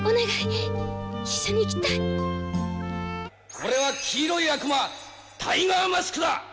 俺は黄色い悪魔タイガーマスクだ！